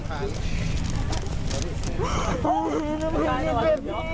พ่อให้น้องพี่เป็นพี่